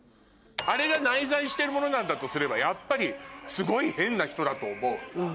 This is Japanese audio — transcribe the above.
あれが内在してるものなんだとすればやっぱりすごい変な人だと思う。